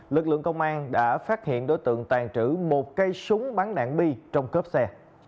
lực lượng công an đã phát hiện đối tượng tàn trữ một cây súng bắn đạn bi trong cướp xe